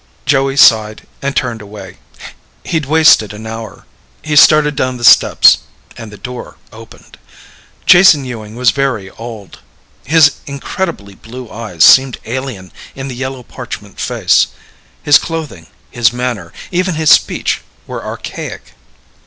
Joey sighed and turned away. He'd wasted an hour. He started down the steps. And the door opened. Jason Ewing was very old. His incredibly blue eyes seemed alien in the yellow parchment face. His clothing, his manner, even his speech were archaic.